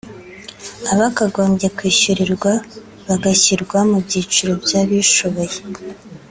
abakagombye kwishyurirwa bagashyirwa mu byiciro by’abishoboye